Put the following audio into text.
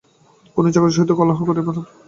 কোনো চাকরের সহিত কলহ করিয়া সে আত্মাবমাননা করে নাই।